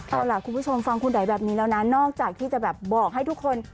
เอาล่ะคุณผู้ชมฟังคุณไดแบบนี้แล้วนะนอกจากที่จะแบบบอกให้ทุกคน